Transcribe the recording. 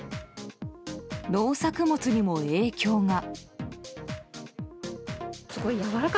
農作物にも影響が。